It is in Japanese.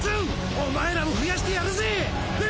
お前らも増やしてやるぜェ！